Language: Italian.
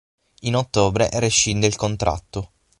In ottobre rescinde il contratto.